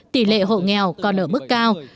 tỷ lệ hộ nghèo còn ở mức cao